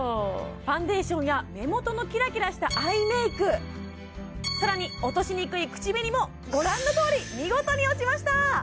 ファンデーションや目元のキラキラしたアイメーク更に落としにくい口紅もご覧のとおり見事に落ちました！